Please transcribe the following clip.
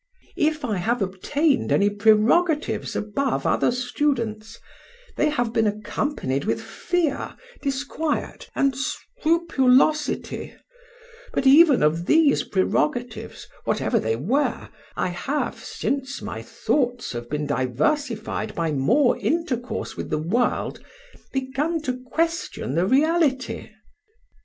If I have obtained any prerogatives above other students, they have been accompanied with fear, disquiet, and scrupulosity; but even of these prerogatives, whatever they were, I have, since my thoughts have been diversified by more intercourse with the world, begun to question the reality.